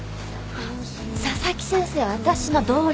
佐々木先生は私の同僚！